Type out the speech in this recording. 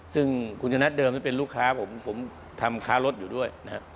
ซึ่งคุณชนะเดิมที่เป็นลูกค้าผมทำค้ารถอยู่ด้วยนะฮะ